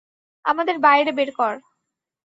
আমাদের বাইরে বের কর!